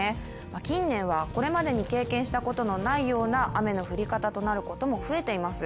近年はこれまでに経験したことのないような雨の降り方となることも増えています。